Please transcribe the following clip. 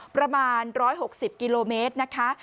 ประมาณ๑๖๐กิโลเมตรนะคะ